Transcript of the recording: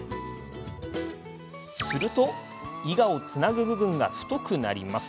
するとイガをつなぐ部分が太くなります。